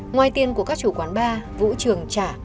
ngoài tiền của các chủ quán bar vũ trường trả